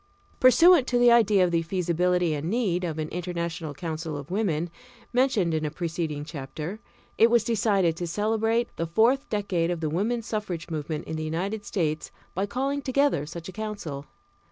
Pursuant to the idea of the feasibility and need of an International Council of Women, mentioned in a preceding chapter, it was decided to celebrate the fourth decade of the woman suffrage movement in the United States by calling together such a council.